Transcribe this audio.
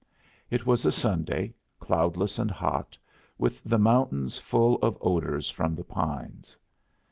It was a Sunday, cloudless and hot, with the mountains full of odors from the pines.